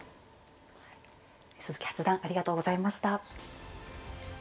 鈴木八段ありがとうございました。